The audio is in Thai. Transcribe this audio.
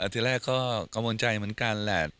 ทีแรกก็กังวลใจเหมือนกันแหละ